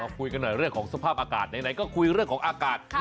คุยกันหน่อยเรื่องของสภาพอากาศไหนก็คุยเรื่องของอากาศ